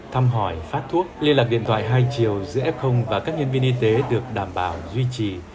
thăm hỏi phát thuốc liên lạc điện thoại hai chiều giữa f và các nhân viên y tế được đảm bảo duy trì